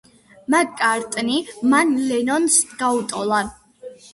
მაკ-კარტნი მან ლენონს გაუტოლა.